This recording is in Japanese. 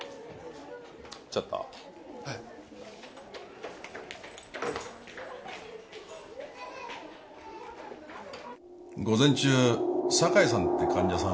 ちょっとはい午前中酒井さんという患者さん